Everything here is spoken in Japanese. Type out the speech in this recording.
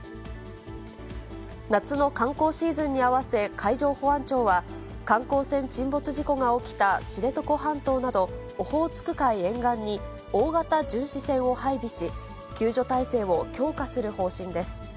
夏の観光シーズンに合わせ、海上保安庁は、観光船沈没事故が起きた知床半島など、オホーツク海沿岸に、大型巡視船を配備し、救助体制を強化する方針です。